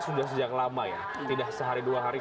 sudah sejak lama ya tidak sehari dua hari